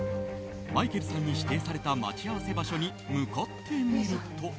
マイケルさんに指定された待ち合わせ場所に向かってみると。